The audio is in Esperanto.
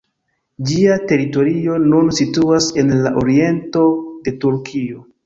Ĝia teritorio nun situas en la oriento de Turkio.